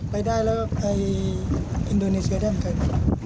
ไปได้แล้วไปอินโดนีเซียได้เหมือนกัน